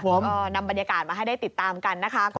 ก็นำบรรยากาศมาให้ได้ติดตามกันนะคะ